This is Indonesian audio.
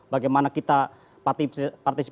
bagaimana kita partai partai